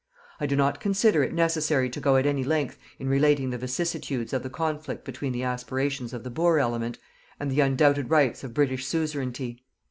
I do not consider it necessary to go at any length in relating the vicissitudes of the conflict between the aspirations of the Boer element and the undoubted rights of British suzerainty.